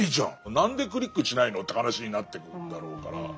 何でクリックしないのって話になってくだろうから。